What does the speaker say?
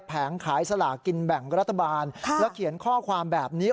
แผงขายสลากินแบ่งรัฐบาลแล้วเขียนข้อความแบบนี้